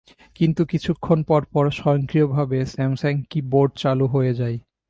কিন্তু কিছুক্ষণ পরপর স্বয়ংক্রিয়ভাবে স্যামসাং কি বোর্ড চালু হয়ে যায়।